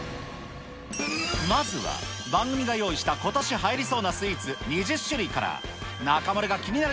まずは、番組が用意したことしはやりそうなスイーツ２０種類から、中丸が気になる